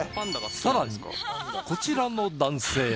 さらにこちらの男性は